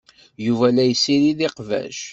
Yuba la yessirid iqbac.